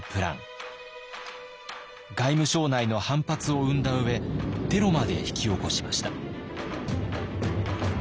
外務省内の反発を生んだ上テロまで引き起こしました。